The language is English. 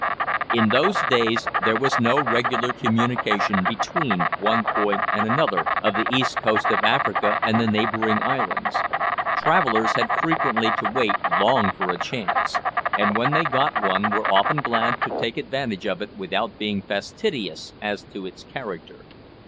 In those days there was no regular communication between one point and another of the east coast of Africa and the neighbouring islands. Travellers had frequently to wait long for a chance; and when they got one were often glad to take advantage of it without being fastidious as to its character.